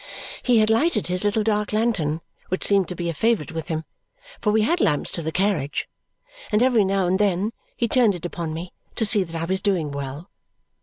He had lighted his little dark lantern, which seemed to be a favourite with him, for we had lamps to the carriage; and every now and then he turned it upon me to see that I was doing well.